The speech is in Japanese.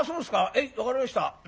へい分かりました。